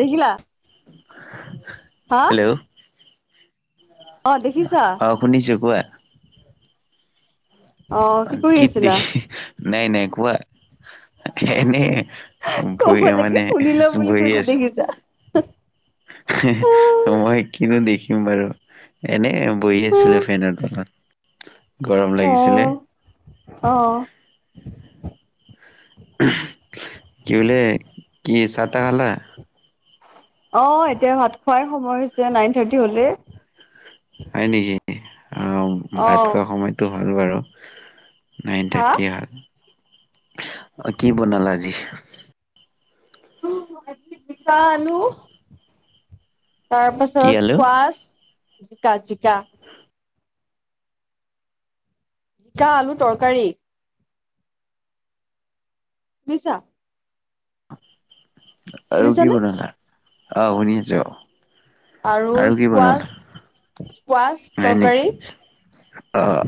দেখিলা। হা হেল্ল'। অ দেখিছা অ শুনিছো কোৱা। অ কি কৰি আছিলা [unintelligible] নাই নাই কোৱা। এনেই কব ভৰিৰে লাগে মানে শুনিলা বুলি বহি কৈছো আছোঁ। দেখিছা হে অ মই কিনো দেখিম বাৰু এনে। বহি আছিলে ফেনৰ তলত গৰম লাগিছিলে। অ। কিনে কি চাহ তাহ খালা। অ এতিয়া ভাত খোৱাই সময় হৈছে নাইন থাৰ্টি হ'লেই। হয় নেকি অহ অ ভাত খোৱা সময়টো হ'ল বাৰু। নাইন হা তেতিয়া, অ', কি বনালা আজি? অহ, আজি জিকা, আলু কি তাৰপাছত আলু স্কোৱাচ, জিকা, জিকা। জিকা আলু তৰকাৰী। বুইছা? আৰু কি শুনিছানে বনালা? অ', শুনিছোঁ। আৰু স্কোৱাছ। হয় নেকি? অ'।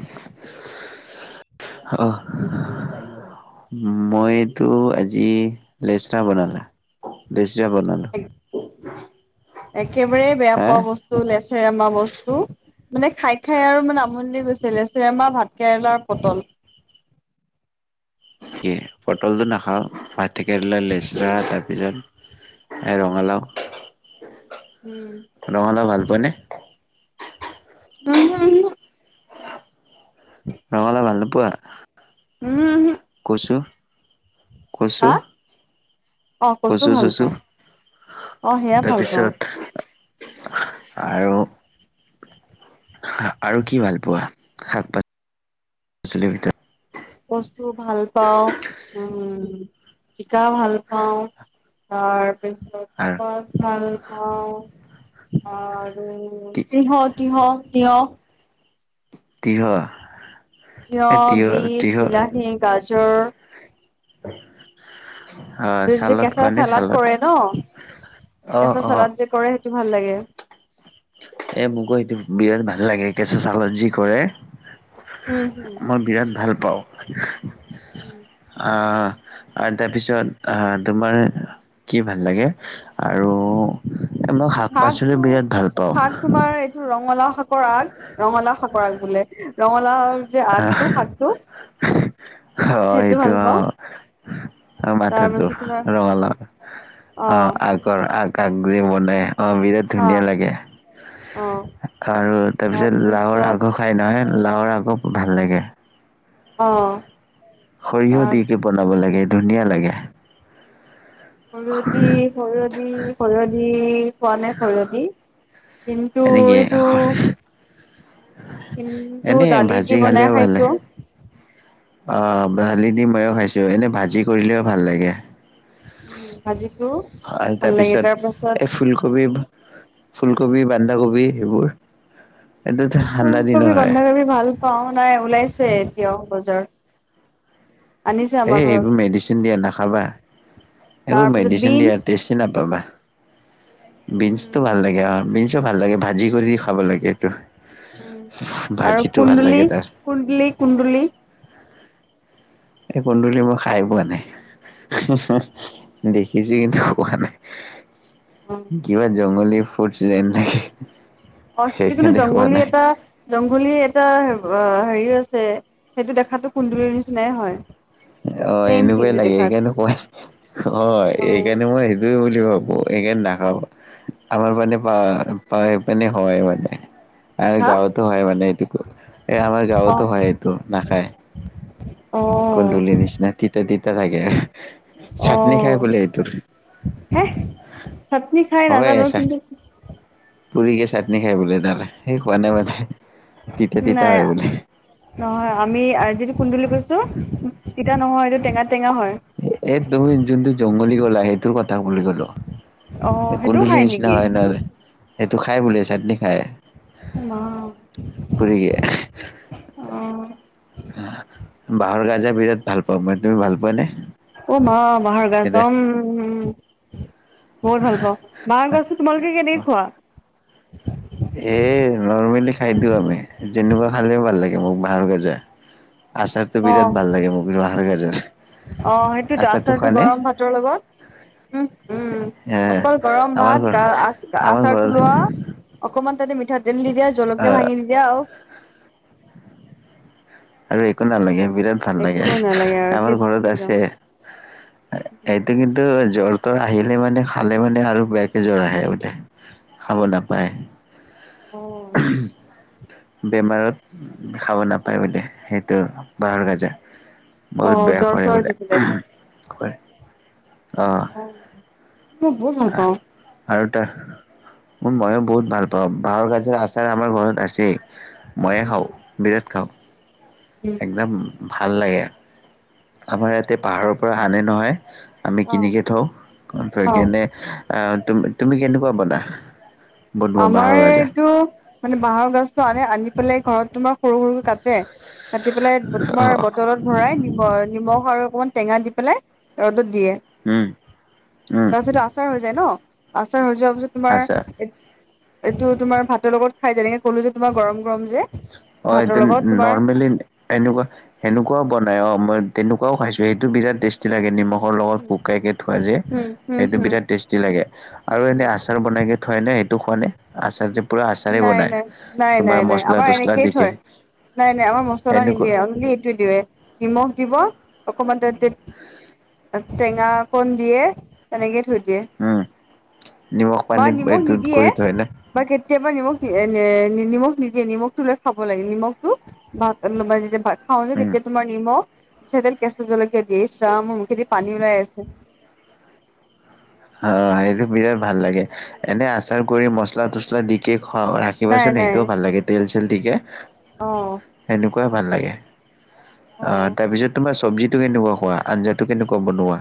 [unintelligible] মইটো আজি লেচৰা বনালা, লেচৰা বনালোঁ‌। একেবাৰে বেয়া হা পোৱা বস্তু, লেচেৰা মাহ বস্তু। মানে খাই খাই আৰু মানে আমনি লাগি গৈছে, লেছেৰা মাহ, ভাত কেৰেলা, আৰু পটল। তাকে, পটলটো নাখাওঁ, ভাত কেৰেলা, লেচৰা, তা পিছত এই ৰঙালাও। উম। ৰঙালাওঁ‌ ভাল পোৱা নে? উমহোঁ-উমহোঁ। ৰঙালাওঁ ভাল নোপোৱা? উমহোঁ উমহোঁ। কচু কচু? অ কচু ভাল কচু-চচু, পাওঁ অ সেয়া ভাল পাওঁ। তাৰপিছত আৰু আৰু কি ভাল পোৱা, শাক পাচলি [inaudible] পাচলিৰ ভিতৰত? কচু ভাল পাওঁ‌, উম, জিকা ভাল পাওঁ‌, তাৰপিছত আৰু স্কুৱাছ ভাল পাওঁ, আৰু তি তিঁহ, তিহ, তিঁয়হ। তিয়ঁহ? তিয়হ, বিট, বিলাহী, গাজৰ। হয়। অ', এইটো যে চালত কেঁচা খোৱা নে চালাদ চালত? কৰে ন কেঁচা অ'-অ'। চালাদ যে কৰে সেইটো ভাল লাগে। এ মোকো সেইটো বিৰাট ভাল লাগে, কেঁচা চালদ যি কৰে। উম হম মই বিৰাট ভাল পাওঁ। আহ, আৰু তাৰপিছত আহ তোমাৰ কি ভাল লাগে? আৰু এ মই শাক শাকটো পাচলিও বিৰাট ভাল পাওঁ শাক তোমাৰ এইটো ৰঙালাওঁ‌ শাকৰ আগ, ৰঙালাওঁ শাকৰ আগ বোলে, ৰঙালাওঁ‌ যে আগটো শাকটো হয় সেইটো এইটো ভাল পাওঁ অ', আমি ভাতত দিওঁ তাৰপিছত তোমাৰ ৰঙালাও। অ', আগৰ আগ, আগ গুৰি বনাই অ', বিৰাট হা ধুনীয়া লাগে, অ আৰু তাৰপিছত লাউৰ আগ খায় নহয়, লাউৰ আগক ভাল লাগে। অ'। সৰিয়হ দি কে তাৰপিছ বনাব লাগে, ধুনীয়া লাগে। সৰিয়হ দি, সৰিযহ দি, সৰিয়হ দি, খোৱা নাই সৰিয়হ দি? কিন্তু এনেকে এইটো কিন্তু এনে দালি দি ভাজি বনাই খালেও ভাল লাগে খাইছোঁ। অ দালি দি মইয়ো খাইছোঁ এনেই ভাজি কৰিলেও ভাল লাগে। উম ভাজিটো হয় ভাল লাগে তাৰপিছত তাৰ পাছত এই ফুলকবি ফুলকবি বন্ধাকবি সেইবোৰ। এইটোতো ঠাণ্ডা দিনত ফুলকবি হয় বন্ধাকবি ভাল পাওঁ নাই ওলাইছে এতিয়াওঁ বজাৰত। আনিছে এ আমাৰ ঘৰত এইবোৰ মেডিচিন দিয়া নাখাবা এইবোৰ তাৰপিছত মেডিচিন দিয়া বিনছ টেষ্ট নাপাবা বিনচ টো ভাল লাগে আৰু বিনচ টো ভাল লাগে ভাজি কৰি দি খাব লাগে এইটো। উম আৰু ভাজিটো ভাল কুন্দুলি লাগে তাৰ কুন্দলি কুন্দুলি এই কুন্দুলি মই খাই পোৱা নাই দেখিছোঁ কিন্তু খোৱা নাই। উম। কিবা জংঘলী ফুড যেন লাগে। অ সেইটো কিন্তু সেইকাৰণে খোৱা জংঘলী নাই এটা জংঘলী এটা হেৰি আছে সেইটো দেখাতো কুন্দুলিৰ নিচিনাই হয়। অ ছেম এনেকুৱাইে কিন্তু লাগে দেখাত সেইকাৰণে কোৱা অ অ' এইকাৰণে মই জংগলী বুলি ভাবো সেইকাৰণে নাখাওঁ মই। আমাৰ পিনে পাহাৰৰ পাই পিনে হয় মানে। আৰু হা গাঁৱতো হয় মানে এইটো এই আমাৰ অ গাঁৱতো হয় এইটো নাখায়। অ কুন্দুলীৰ নিচিনা তিতা তিতা থাকে। অ চাটনি খাই বোলে এইটোৰ। হে চাটনি খাই হয় নাজানো। চাট কিন্তু পুৰিকে চাটনি খায় বোলে তাৰ সেই খোৱা নাই মানে তিতা তিতা নাই হয় বোলে। নহয় আমি যিটো কুন্দুলি কৈছোঁ তিতা নহয় এইটো টেঙা টেঙা হয়। এই তুমি যোনটো জংগলী কলা সেই টোৰ কথা বুলি কলোঁ অ এই সেইটোও কুন্দুলীৰ খাই নিচিনা নেকি হয় ন। সেইটো খাই বোলে চাটনি খায়। অ মাঁ। পুৰিকে। অঁ। বাঁহৰ গাজা বিৰাট ভাল পাওঁ মই তুমি ভাল পোৱা নে? অ মাঁহ বাহৰ গাজ এতিয়া আম বহুত ভাল পাওঁ। বাহ গাজটো তোমালোকে কেনেকে খোৱা? এই নৰ্মেলি খাই দিওঁ আমি যেনেকুৱা খালেঁও ভাল লাগে মোক বাঁহৰ গজা। আচাৰটো অ বিৰাট ভাল লাগে মোৰ বাঁহৰ গাজাৰ। অ সেইটোতো আচাৰতটো গৰম ভাতৰ লগত। উম হুম এ অকল গৰম আমাৰ ভাত ঘৰ গা আচ আমাৰ ঘৰত আচাৰটো লোৱা অকণমান তাতে মিঠাতেল দি দিয়া জলকীয়া ভাঙি দি দিয়া আৰু। আৰু একো নালাগে বিৰাট ভাল লাগে একো নালাগে আৰু আমাৰ টেষ্টি ঘৰত একদম আছে। এইটো কিন্তু এইটো জ্বৰ তৰ আহিলে মানে খালে মানে আৰু বেয়াকে জ্বৰ আহে বোলে। খাব নাপায়। অ বেমাৰত খাব নাপায় বোলে। সেইটো বাঁহৰ গজা অ বহুত বেয়া জ্বৰ কৰে চৰ বোলে। উঠিছিলে হয় অ। মই বহুত ভাল পাওঁ। আৰু ত ময়ো বহুত ভাল পাওঁ বাঁহৰ গাজৰ আচাৰ আমাৰ ঘৰত আছেই। ময়ে খাওঁ উম বিৰাট খাওঁ। উম একদম ভাল লাগে আমাৰ ইয়াতে পাহাৰৰ পৰা আনে নহয়। আমি কিনিকে থওঁ, থৈ অ কেনে আ তুমি কেনেকুৱা বনা বনোৱা আমাৰ বাঁহৰ গাজা টো মানে বাঁহৰ গছটো আনে আনি পেলাই ঘৰত তোমাৰ সৰু সৰু কাটে। কাটি পেলাই অ তোমাৰ বটলত ভৰাই, নিমখ আৰু অকণমান টেঙা দি পেলাই ৰ'দত দিয়ে। উম উম তাৰপিছতটো আচাৰ হৈ যায় ন, আচাৰ হৈ যোৱাৰ পিছত আচ্ছা তোমাৰ এইটো তোমাৰ ভাতৰ লগত খাই যেনেকে কলো যে তোমাৰ গৰম গৰম যে। অ ভাতৰ এইটো লগত তোমাৰ নৰমেলি, এনেকুৱা সেনেকুৱাও বনাই অ মই তেনেকুৱও খাইছো সেইটো বিৰাট টেষ্ট। টেষ্টি থাকে নিমখৰ লগত উম শোকাই কেনে থোৱা যে উম উম সেইটো উম বিৰাট টেষ্টি লাগে আৰু উম এনেই আচাৰ বনাই কেনে থাই নে সেইটো খোৱা নাই আচাৰ যে পোৰা আচাৰে নাই বনাই নাই নাই তোমাৰ নাই নাই মছ আমাৰ এনেকেই থয় নাই নাই আমাৰ মছলা সেনেকুৱা নিদিয়ে অনলি এইটো দিয়ে। নিমখ দিব অকমান তে টেঙা অকণ দিয়ে তেনেকে থৈ দিয়ে। উম নিমখ পানী এইটো কৰি থয় ন। বাকী কেতিয়াবা নিমখ এ নি নিমখ নিদিয়ে নিমখটো লৈ খাব লাগে নিমখটো ভাত যেতিয়া ভাত খাওঁ যে উম তেতিয়া তোমাৰ নিমখ মিঠাতেল কেঁচা জলকীয়া দিয়ে ইছ ৰাম মুখে দি পানী ওলাই আছে। অ সেইটো বিৰাট ভাল লাগে এনে আচাৰ কৰি মচলা তচলা দিকে খোৱা হয়। নাই দেখিবাচোন নাই সেইটোও ভাল লাগে তেল চেল দিকে। অ সেনেকুৱাই ভাল লাগে অ তাৰপিছত তোমাৰ চব্জি টো কেনেকুৱা কোৱা আঞ্জাটো কেনেকুৱা বনোৱা?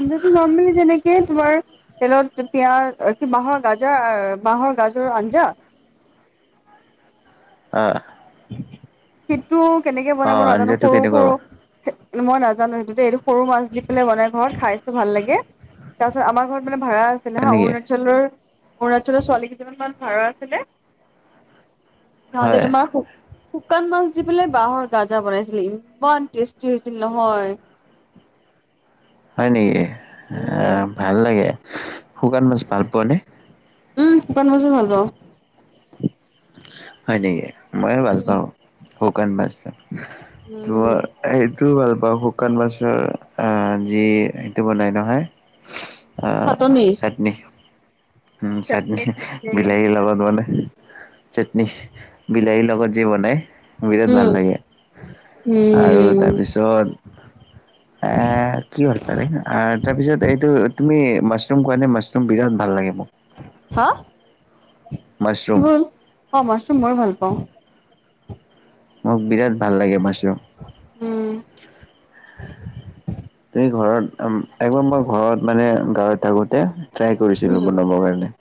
আঞ্জাটো নৰমেলি তেনেকে তোমাৰ তেলত পিয়াজ কি বাঁহৰ গাজৰ আহ বাঁহৰ গাজৰ আঞ্জা। অ সেইটো কেনেকে বনাব অ', নাজানো আঞ্জাটো সৰু কেনেকুৱা হয় সৰু মই নাজানো সেইটো দেই এইটো সৰু মাছ দি পেলাই বনাই ঘৰত খাইছো ভাল লাগে। তাৰপাছত আমাৰ ঘৰত মানে ভাড়া আছিলে হয় হা নেকি? অৰুণাচলৰ অৰুণাচলৰ ছোৱালী কেইজনীমান ভাড়া আছিলে। সিহঁতে হয়, তোমাৰ শুকান মাছ দি পেলাই বাহৰ আঞ্জা বনাইছিলে ইমান টেষ্টি হৈছিল নহয়। হয় নেকি উম। ভাল লাগে শুকান মাছ ভাল পোৱা নে? উম শুকান মাছো ভাল পাওঁ। হয় নেকি মইয়ো ভাল উম। পাওঁ শুকান মাছ উম তোমাৰ সেইটো ভাল পাওঁ শুকান মাছৰ আহ যি সেইটো বনাই নহয়। অ চাটনি চাটনি। উম চাটনি বিলাহী লগত বনাই। চাটনি বিলাহীৰ লগত যে বনাই বিৰাট উম। ভাল লাগে। উম আৰু তাৰপিছত [inaudible] এ, কি হ'ল কালি, তাৰপিছত এইটো, তুমি মাছৰুম খোৱা নে? মাছৰুম বিৰাট ভাল লাগে মোৰ। হা? কি মাছৰুম হ'ল, অ', মাছৰুম মইয়ো ভাল পাওঁ। মোক বিৰাট ভাল লাগে মাছৰুম। উম। তুমি ঘৰত, উম, একবাৰ মই ঘৰত মানে গাঁৱত থাকোঁতে ট্ৰাই কৰিছিলোঁ‌ উম বনাবৰ কাৰণে।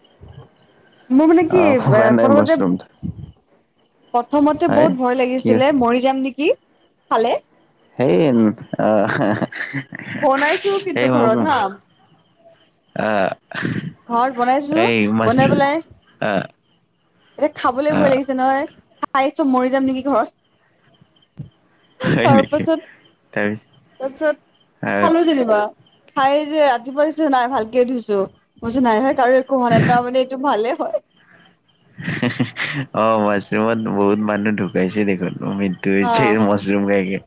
মোৰ মানে কি আহ এ, হোৱা নাই প্ৰথমতে মাছৰুম প্ৰথমতে হয় বহুত ভয় কি লাগিছিলে মৰি যাম নেকি, খালে। সেই অ'। বনাইছোঁ‌ও কিন্তু ঘৰত হা। অ'। ঘৰত বনাইছোঁ‌, বনাই পেলাই অ'। এতিয়া খাবলৈ ভয় লাগিছে, নহয় খাই চব মৰি যাম নেকি ঘৰত। হয় নেকি তাৰপাছত, তাৰপিছত, তাৰপিছত খালোঁ‌ যেনিবা। খাই যে ৰাতিপুৱা দেখিছা নাই ভালকে উঠিছোঁ‌, বুজিছ নাই কাৰো একো হোৱা নাই তাৰ মানে এইটো ভালে হয়। অ', মাছৰুমত বহুত মানুহ ঢুকাইছে দেখোন, উমিদ ঢুকাইছে মাছৰুম খাইকে,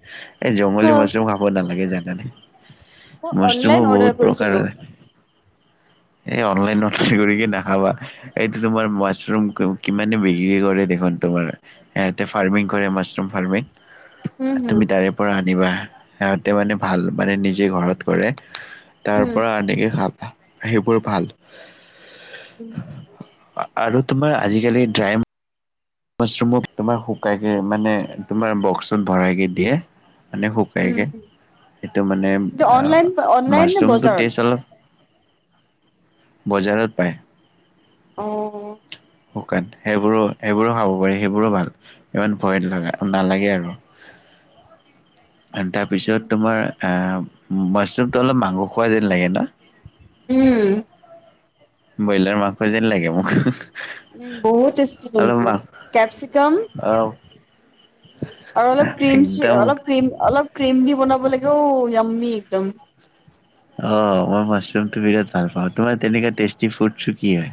এই অ জংলী মাছৰুম খাব নালাগে জানানে? মই অনলাইন মাছৰুমো অৰ্ডাৰ বহুত কৰিছিলো প্ৰকাৰৰ। এই অনলাইন অৰ্ডাৰ কৰি কিনি নাখাবা। এইটো তোমাৰ মাছৰুম কিমানে বিক্ৰী কৰে দেখোন, তোমাৰ। ইয়াতে ফাৰ্মিং কৰে, মাছৰুম ফাৰ্মিং, হুম, হুম। তুমি তাৰে পৰা আনিবা, সিহঁতে মানে ভাল, মানে নিজে ঘৰত কৰে। উম, তাৰপৰা আনিকে খাবা, সেইবোৰ ভাল। উম। আ-আৰু তোমাৰ আজিকালি ড্ৰাই মাছৰুমক তোমাৰ শুকাইকে, মানে তোমাৰ বক্সত ভৰাইকে দিয়ে। মানে উম, শুকাইকে। সেইটো মানে কিন্তু অনলাইন অ', অনলাইন নে মাছৰুমটো বজাৰত? টেষ্ট অলপ বজাৰত পায়। অ'-অ'। শুকান, সেইবোৰো, সেইবোৰো খাব পাৰি, সেইবোৰো ভাল। ইমান ভয় লগা, নালাগে আৰু। [inaudible] উম। তাৰপিছত তোমাৰ আ, মাছৰুমটো অলপ মাংস খোৱা যেন লাগে ন? উম। ব্ৰইলাৰ মাংস যেন লাগে মোক। উম বহুত টেষ্টি অলপ কিন্তু, মাং কেপচিকম অ'। আৰু অলপ ক্ৰীম-চ্ৰি একদম অলপ ক্ৰীম, অলপ ক্ৰীম দি বনাব লাগেও ইয়ম্মি একদম। অ', মই মাছৰুম টো বিৰাট ভাল পাওঁ, তোমাৰ তেনেক টেষ্টি ফুড-চুড কি হয়?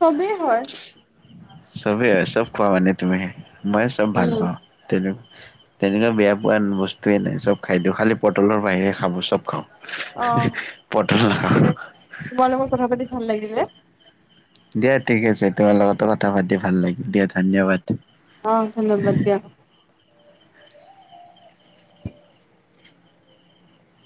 চবেই হয়। চবেই হয়? চব খোৱা মানে তুমি? মইয়ো চব ভাল উম, পাওঁ। তেনে, তেনেকুৱা বেয়া পোৱা বস্তুৱেই নাই, চব খাই দিওঁ, খালী পটলৰ বাহিৰে খাব, চব খাওঁ। অঁ পটল নাখাওঁ তোমাৰ লগত কথা পাতি ভাল লাগিলে। দিয়া ঠিকে আছে তোমাৰ লগতো কথা পাতি ভাল লাগিল দিয়া ধন্যবাদ। অ ধন্যবাদ দিয়া।